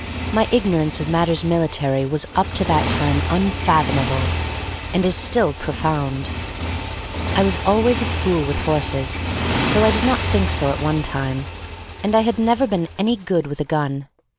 My ignorance of matters military was up to that time unfathomable, and is still profound. I was always a fool with horses, though I did not think so at one time, and I had never been any good with a gun.